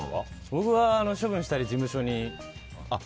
僕は、処分したり事務所に。